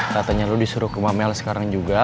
katanya lu disuruh ke mamel sekarang juga